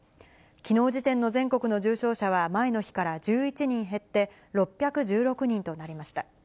きのう時点の全国の重症者は前の日から１１人減って、６１６人となりました。